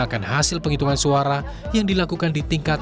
akan hasil penghitungan suara yang dilakukan di tingkat